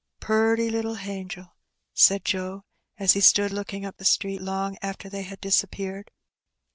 " Purty little hangel !" said Joe, as he stood looking up the street long after they had disappeared.